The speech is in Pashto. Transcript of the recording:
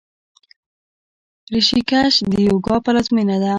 ریشیکیش د یوګا پلازمینه ده.